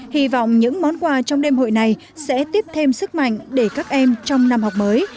hy vọng những món quà trong đêm hội này sẽ tiếp thêm sức mạnh để các em trong năm học mới